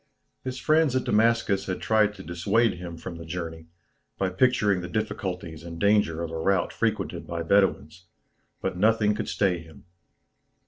His friends at Damascus had tried to dissuade him from the journey, by picturing the difficulties and danger of a route frequented by Bedouins; but nothing could stay him.